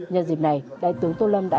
nhân dịp này đại tướng tô lâm đã